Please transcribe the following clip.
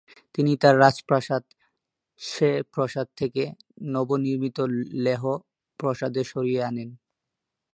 তিনি তার রাজপ্রাসাদ শে প্রাসাদ থেকে নবনির্মিত লেহ প্রাসাদে সরিয়ে আনেন।